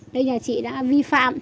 đây là chị đã vi phạm